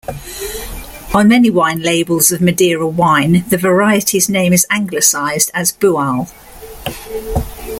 On many wine labels of Madeira wine, the variety's name is anglicized as Bual.